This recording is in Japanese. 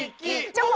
チョコ！